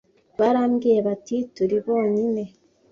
barambwiye bati turi bonyine